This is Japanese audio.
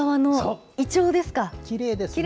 きれいですね。